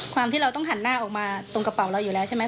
ความที่เราต้องหันหน้าออกมาตรงกระเป๋าเราอยู่แล้วใช่ไหม